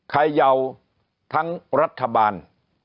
เขย่าทั้งรัฐบาล